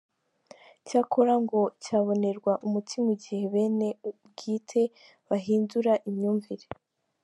Cyakora ngo cyabonerwa umuti mu gihe bene ubwite bahindura imyumvire .